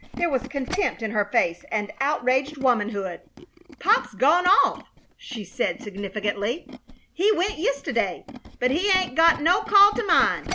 There was contempt in her face and outraged womanhood. "Pop's gone off," she said, significantly. "He went yist'day. But he 'ain't got no call t' mind.